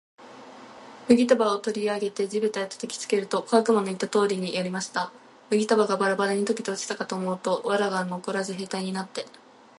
麦束を取り上げて地べたへ叩きつけると、小悪魔の言った通りやりました。麦束がバラバラに解けて落ちたかと思うと、藁がのこらず兵隊になって、